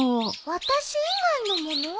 私以外のもの？